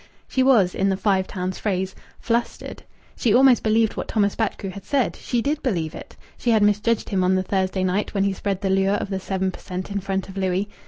She was, in the Five Towns phrase, "flustered." She almost believed what Thomas Batchgrew had said. She did believe it. She had misjudged him on the Thursday night when he spread the lure of the seven per cent. in front of Louis.